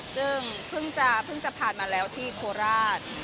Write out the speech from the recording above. ซึ่งเพิ่งจะผ่านมาแล้วที่โคลราช